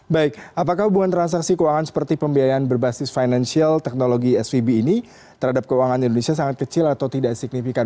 baik apakah hubungan transaksi keuangan seperti pembiayaan berbasis financial teknologi svb ini terhadap keuangan indonesia sangat kecil atau tidak signifikan